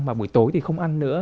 và buổi tối thì không ăn nữa